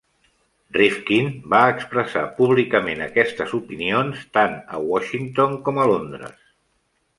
Rifkind va expressar públicament aquestes opinions tant a Washington com a Londres.